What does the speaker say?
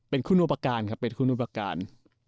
เป็นคู่นูประการครับเป็นคู่นูประการ